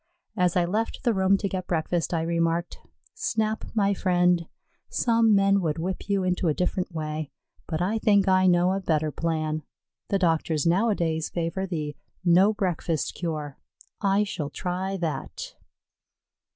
As I left the room to get breakfast, I remarked: "Snap, my friend, some men would whip you into a different way, but I think I know a better plan. The doctors nowadays favor the 'no breakfast cure.' I shall try that."